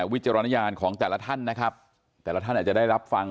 วิจารณญาณของแต่ละท่านนะครับแต่ละท่านอาจจะได้รับฟัง